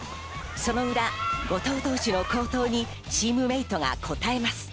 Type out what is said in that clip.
その裏、後藤投手の好投にチームメートが応えます。